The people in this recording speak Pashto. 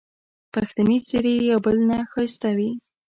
پښتني څېرې یو بل نه ښایسته وې